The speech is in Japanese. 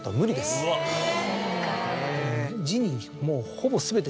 もうほぼ。